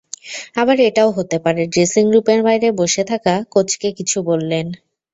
আবার এটাও হতে পারে, ড্রেসিংরুমের বাইরে বসে থাকা কোচকে কিছু বললেন।